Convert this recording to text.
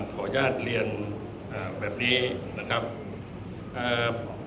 ขออนุญาตเรียนอ่าแบบนี้นะครับอ่า